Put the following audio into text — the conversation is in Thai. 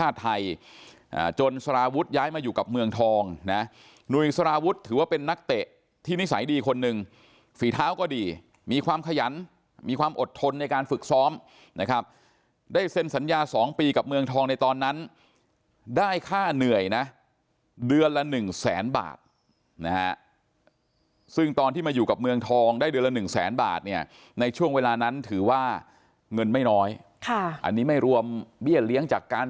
ก็ถือว่าเป็นนักเตะที่นิสัยดีคนหนึ่งฝีเท้าก็ดีมีความขยันมีความอดทนในการฝึกซ้อมนะครับได้เซ็นสัญญาสองปีกับเมืองทองในตอนนั้นได้ค่าเหนื่อยนะเดือนละหนึ่งแสนบาทนะฮะซึ่งตอนที่มาอยู่กับเมืองทองได้เดือนละหนึ่งแสนบาทเนี้ยในช่วงเวลานั้นถือว่าเงินไม่น้อยค่ะอันนี้ไม่รวมเบี้ยเลี้ย